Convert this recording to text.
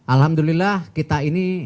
alhamdulillah kita ini